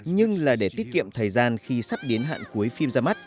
nhưng là để tiết kiệm thời gian khi sắp đến hạn cuối phim ra mắt